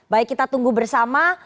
baik kita tunggu bersama